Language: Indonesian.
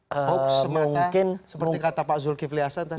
hoax semata seperti kata pak zulkifli hasan tadi